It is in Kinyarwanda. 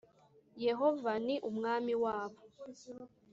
Yehova ni umwami wabo.